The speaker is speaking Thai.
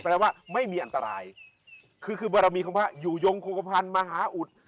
แปลว่าไม่มีอันตรายคือคือบรมีของพระอยู่ยงโคกภัณฑ์มหาอุด